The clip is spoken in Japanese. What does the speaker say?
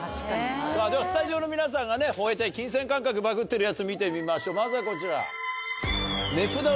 ではスタジオの皆さんが吠えたい金銭感覚バグってるヤツ見てみましょうまずはこちら。